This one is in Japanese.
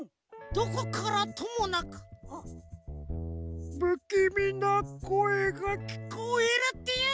どこからともなくぶきみなこえがきこえるっていうのは！